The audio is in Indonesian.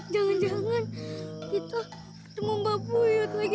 jangan jangan kita ketemu mbah buyut lagi